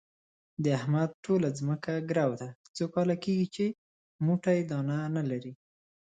د احمد ټوله ځمکه ګرو ده، څو کاله کېږي چې موټی دانه نه لري.